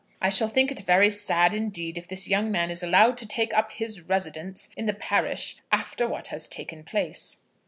I shall think it very sad indeed, if this young man be allowed to take up his residence in the parish after what has taken place."